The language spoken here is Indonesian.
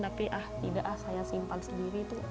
tapi ah tidak ah saya simpan sendiri itu